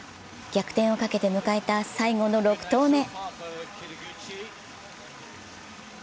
逆転をかけて迎えた最後の６投目。